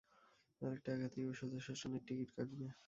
আরেকটা আঘাতেই ও সোজা শশ্মানের টিকিট কাটবে।